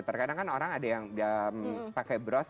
terkadang kan orang ada yang pakai bros